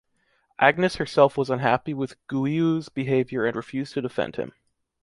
Agnes herself was unhappy with Guiu’s behavior and refused to defend him.